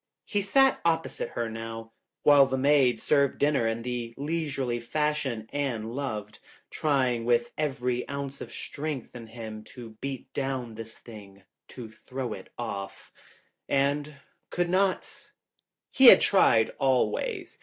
He sat opposite her now, while the maid served dinner in the leisurely fashion Anne loved, trying with every ounce of strength in him to beat down this thing, to throw it off. And could not. He had tried always.